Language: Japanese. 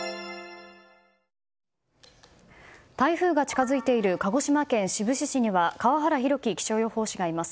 台風が近づいている鹿児島県志布志市には川原浩揮気象予報士がいます。